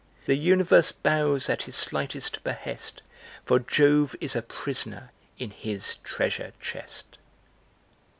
The universe bows at his slightest behest, For Jove is a prisoner in his treasure chest.